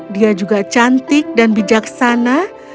dia juga cantik dan bijaksana